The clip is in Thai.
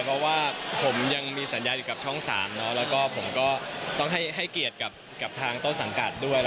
เพราะว่าผมยังมีสัญญาอยู่กับช่อง๓แล้วก็ผมก็ต้องให้เกียรติกับทางต้นสังกัดด้วย